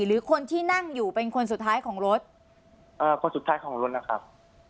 หรือคนที่นั่งอยู่เป็นคนสุดท้ายของรถคนสุดท้ายของรถนะครับ